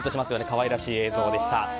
可愛らしい映像でした。